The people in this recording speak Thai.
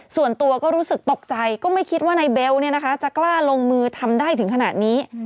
ส่วนตัวก็รู้สึกตกใจก็ไม่คิดว่านายเบลจะกล้าลงมือทำได้ถึงขนาดนี้